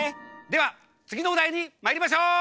ではつぎのおだいにまいりましょう！